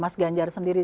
mas ganjar sendiri